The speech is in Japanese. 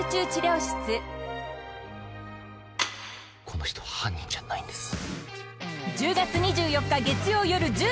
「この人は犯人じゃないんです」